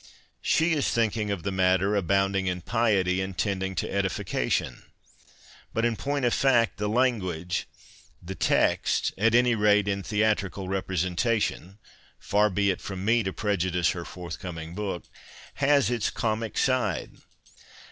She is thinking of the matter, abounding in piety and tending to edifica tion ; but in point of fact the language, the " text "— at any rate in theatrical representation (far be it from_mc to prejudice her forthcoming book) — has 239 PASTICHK AND PREJUDICE its comic side.